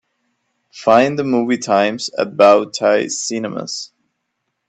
Find the movie times at Bow Tie Cinemas.